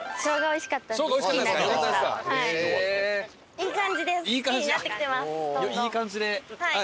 いい感じではい。